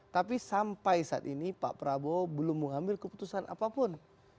tapi sampai saat ini pak prabowo belum mengambil keputusan apapun